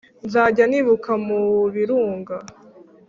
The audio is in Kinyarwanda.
nzajya nibuka mu birunga